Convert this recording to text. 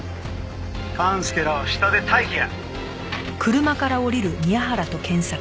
「勘介らは下で待機や！」